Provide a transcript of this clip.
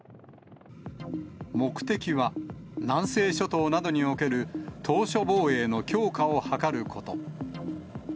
目的は、南西諸島などにおける島しょ防衛の強化を図ること。